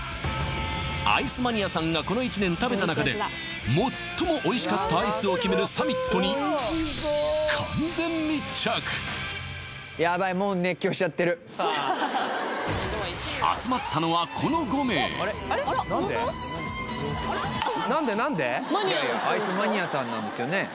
アイスマニアさんがこの一年食べた中で最もおいしかったアイスを決めるサミットに完全密着ヤバイアイスマニアさんなんですよね？